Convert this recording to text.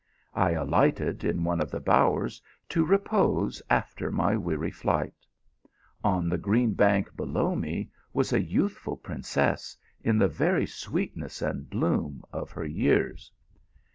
I alighted in one of the bowers to repose after my weary flight ; on the green bank below me was a youthful princess in the very sweetness and bloom of her years.